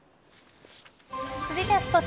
続いてはスポーツ。